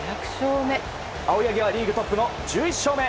青柳はリーグトップの１１勝目。